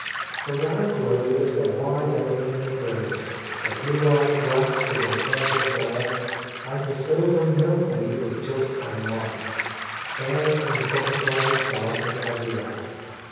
The wild roses were wide open and brilliant, the blue eyed grass was in purple flower, and the silvery milkweed was just coming on. Birds and butterflies darted everywhere.